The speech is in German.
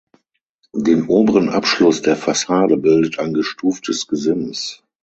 Den oberen Abschluss der Fassade bildet ein gestuftes Gesims.